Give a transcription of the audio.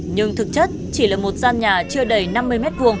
nhưng thực chất chỉ là một gian nhà chưa đầy năm mươi m hai